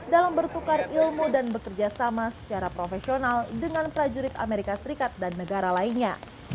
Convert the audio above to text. dalam bertukar ilmu dan bekerja sama secara profesional dengan prajurit amerika serikat dan negara lainnya